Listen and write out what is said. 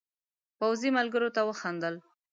پوځي ملګرو ته وخندل.